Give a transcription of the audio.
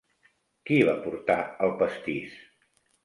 Qui va portar el pastís?